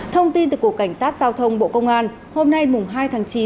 thông tin từ cục cảnh sát giao thông bộ công an hôm nay hai tháng chín